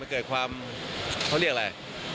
เกิดความเขาเรียกอะไร